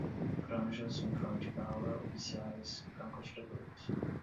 Franjas, uniforme de gala, oficiais, franco-atiradores